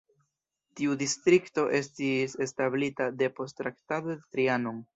Tiu distrikto estis establita depost Traktato de Trianon.